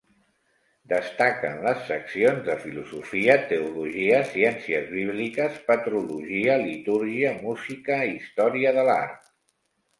Destaquen les seccions de filosofia, teologia, ciències bíbliques, patrologia, litúrgia, música, història de l'art.